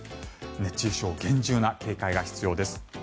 熱中症、厳重な警戒が必要です。